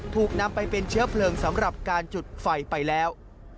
ถูกนำไปเป็นเชื้อเพลิงสำหรับการจุดไฟไปแล้ว